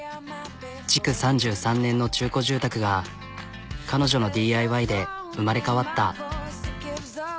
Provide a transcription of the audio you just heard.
築３３年の中古住宅が彼女のＤＩＹで生まれ変わった。